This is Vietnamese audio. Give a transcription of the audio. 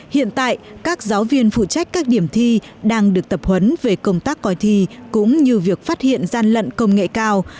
hiện tại các giáo viên phụ trách các điểm thi đang được tập huấn về công tác coi thi cũng như việc phát hiện gian lận công nghệ cao